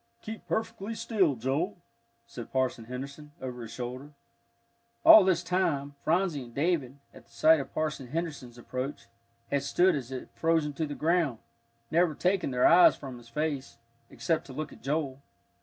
"Keep perfectly still, Joel," said Parson Henderson, over his shoulder. All this time, Phronsie and David, at sight of Parson Henderson's approach, had stood as if frozen to the ground, never taking their eyes from his face, except to look at Joel.